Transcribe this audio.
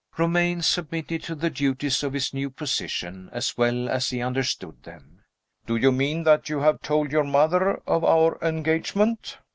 Romayne submitted to the duties of his new position, as well as he understood them. "Do you mean that you have told your mother of our engagement?"